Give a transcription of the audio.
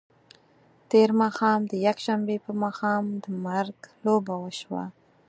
تېر ماښام د یکشنبې په ماښام د مرګ لوبه وشوه.